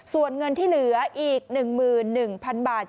ส่วนเงินที่เหลืออีก๑๑๐๐๐บาท